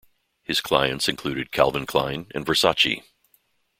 His clients included Calvin Klein and Versace.